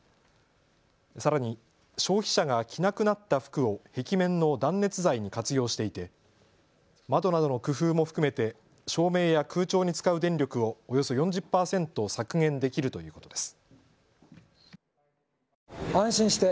さらに消費者が着なくなった服を壁面の断熱材に活用していて窓などの工夫も含めて照明や空調に使う電力をおよそ４０％削減できるということです。